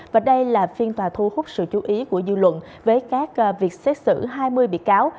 và đây là phiên tòa thu hút sự chú ý của dư luận với các việc xét xử hai mươi bị cáo